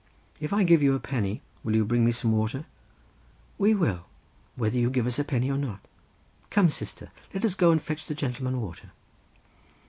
"If I give you a penny will you bring me some water?" "We will; whether you give us the penny or not. Come, sister, let us go and fetch the gentleman water."